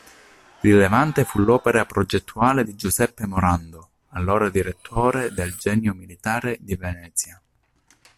Rilevante fu l'opera progettuale di Giuseppe Morando, allora direttore del Genio militare di Venezia.